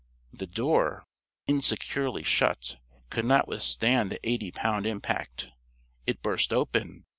The door, insecurely shut, could not withstand the eighty pound impact. It burst open.